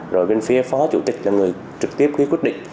rồi bên phía phó chủ tịch là người trực tiếp ký quyết định